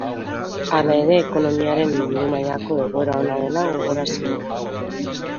Hala ere, ekonomiaren mundu mailako egoera ona dela gogorarazi du.